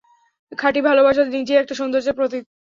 খাঁটি ভালোবাসা নিজেই একটা সৌন্দর্যের প্রতীক।